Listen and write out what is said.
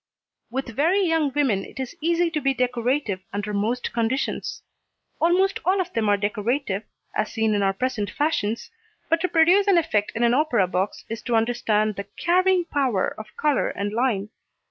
With very young women it is easy to be decorative under most conditions. Almost all of them are decorative, as seen in our present fashions, but to produce an effect in an opera box is to understand the carrying power of colour and line.